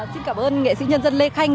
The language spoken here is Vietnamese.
xin cảm ơn nghệ sĩ nhân dân lê khanh